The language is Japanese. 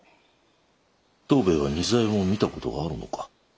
藤兵衛は仁左衛門を見た事があるのか？